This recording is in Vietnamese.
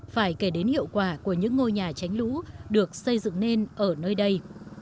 phải kể đến hiệu quả của những ngôi nhà tránh lũ được xây dựng nên ở nơi đây